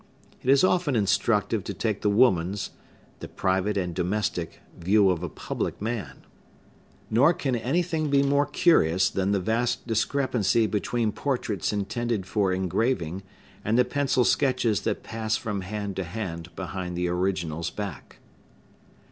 It is often instructive to take the woman's, the private and domestic, view of a public man; nor can anything be more curious than the vast discrepancy between portraits intended for engraving and the pencil sketches that pass from hand to hand behind the original's back.